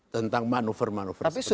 tentang manuver manuver seperti itu